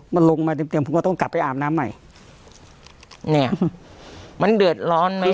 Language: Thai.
มันลงมาเต็มเตียงผมก็ต้องกลับไปอาบน้ำใหม่เนี่ยมันเดือดร้อนไหม